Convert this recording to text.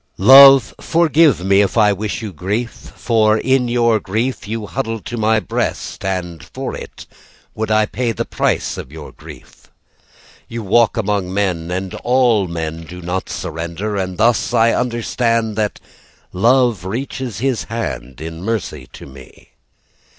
Love, forgive me if I wish you grief, For in your grief You huddle to my breast, And for it Would I pay the price of your grief. You walk among men And all men do not surrender, And thus I understand That love reaches his hand In mercy to me.